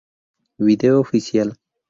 Video oficial